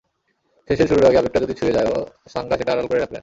শেষের শুরুর আগে আবেগটা যদি ছুঁয়ে যায়ও, সাঙ্গা সেটা আড়াল করেই রাখলেন।